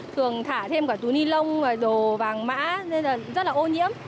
thường thả thêm cả túi ni lông và đồ vàng mã rất là ô nhiễm